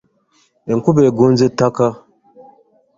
Enkuba egonza ettaka.